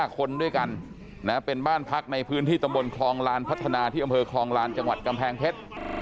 ๕คนด้วยกันเป็นบ้านพักในพื้นที่ตำบลคลองลานพัฒนาที่อำเภอคลองลานจังหวัดกำแพงเพชร